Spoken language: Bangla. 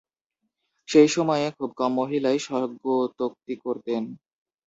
সেই সময়ে খুব কম মহিলাই স্বগতোক্তি করতেন।